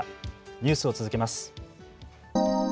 ニュースを続けます。